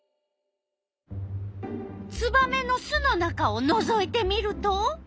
ツバメの巣の中をのぞいてみると。